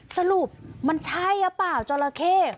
สรุปมันใช่หรือเปล่าจราเข้